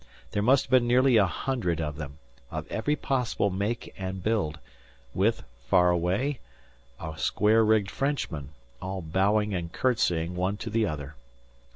There must have been nearly a hundred of them, of every possible make and build, with, far away, a square rigged Frenchman, all bowing and courtesying one to the other.